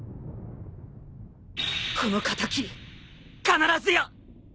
この敵必ずや！